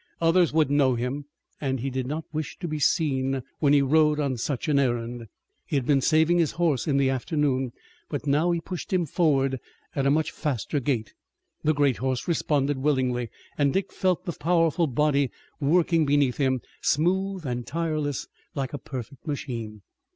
Others would know him, and he did not wish to be seen when he rode on such an errand. He had been saving his horse in the afternoon, but now he pushed him forward at a much faster gait. The great horse responded willingly and Dick felt the powerful body working beneath him, smooth and tireless like a perfect machine.